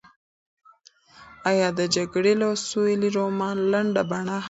ایا د جګړې او سولې رومان لنډه بڼه هم شته؟